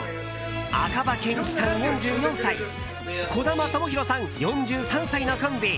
赤羽健壱さん、４４歳児玉智洋さん、４３歳のコンビ。